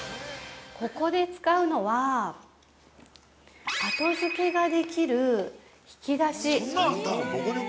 ここで使うのは、後付けができる引き出し。